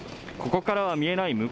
ここからは見えない